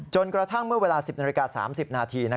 กระทั่งเมื่อเวลา๑๐นาฬิกา๓๐นาที